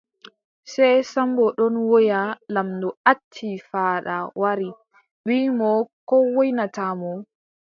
Sey Sammbo ɗon woya, laamɗo acci faada wari, wiʼi mo ko woynata mo.